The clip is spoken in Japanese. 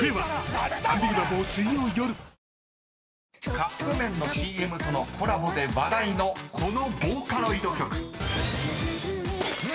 ［カップ麺のＣＭとのコラボで話題のこのボーカロイド曲］